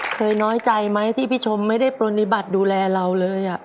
น้อยใจไหมที่พี่ชมไม่ได้ปฏิบัติดูแลเราเลย